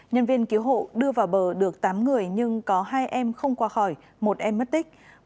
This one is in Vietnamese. nhân viên cứu hộ đưa vào bờ được tám người nhưng có hai em không qua khỏi một em mất tích